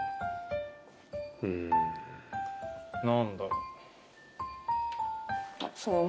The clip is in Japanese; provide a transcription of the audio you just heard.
うん。何だろう。